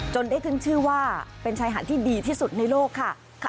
ได้ขึ้นชื่อว่าเป็นชายหาดที่ดีที่สุดในโลกค่ะ